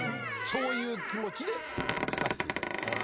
そういう気持ちで書かしていただきました。